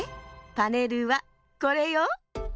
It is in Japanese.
パネルはこれよ。